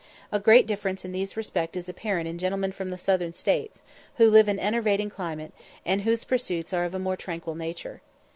A great difference in these respects is apparent in gentlemen from the southern States, who live in an enervating climate, and whose pursuits are of a more tranquil nature.